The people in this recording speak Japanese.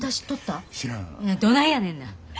どないやねんな。